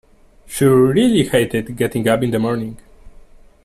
She really hated getting up in the morning